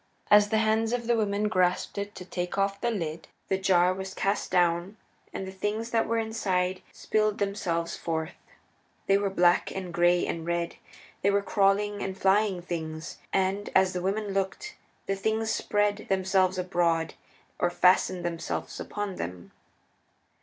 As the hands of the women grasped it to take off the lid the jar was cast down, and the things that were inside spilled themselves forth. They were black and gray and red; they were crawling and flying things. And, as the women looked, the things spread themselves abroad or fastened themselves upon them.